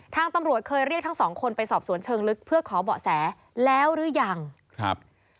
ตำรวจเคยเรียกทั้งสองคนไปสอบสวนเชิงลึกเพื่อขอเบาะแสแล้วหรือยังครับ